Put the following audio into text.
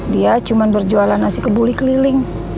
dia cuma berjualan nasi kebuli keliling